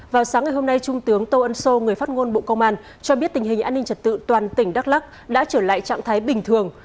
vào sáng ngày hôm nay trung tướng tô ân sô người phát ngôn bộ công an cho biết tình hình an ninh trật tự toàn tỉnh đắk lắc đã trở lại trạng thái bình thường